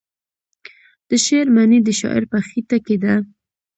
د شعر معنی د شاعر په خیټه کې ده .